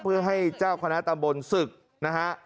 เพื่อให้เจ้าคณะตำบลศึกนะฮะ